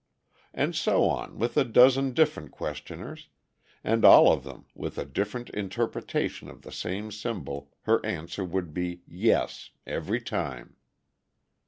And so on with a dozen different questioners, and all of them with a different interpretation of the same symbol, her answer would be "yes" every time.